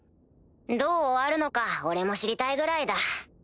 どう終わるのか俺も知りたいぐらいだ。